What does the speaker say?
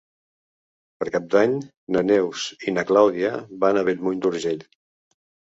Per Cap d'Any na Neus i na Clàudia van a Bellmunt d'Urgell.